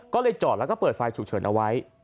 ก็เลยจอดแล้วก็เปิดไฟฉุกเฉินเอาไว้